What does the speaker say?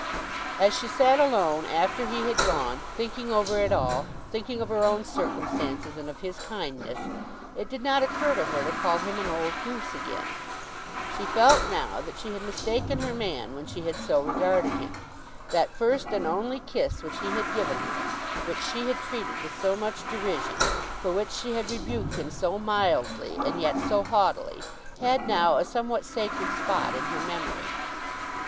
As she sat alone after he had gone, thinking over it all, thinking of her own circumstances and of his kindness, it did not occur to her to call him an old goose again. She felt now that she had mistaken her man when she had so regarded him. That first and only kiss which he had given her, which she had treated with so much derision, for which she had rebuked him so mildly and yet so haughtily, had now a somewhat sacred spot in her memory.